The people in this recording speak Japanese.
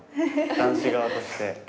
男子側として。